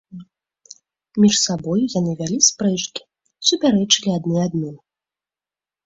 Між сабою яны вялі спрэчкі, супярэчылі адны адным.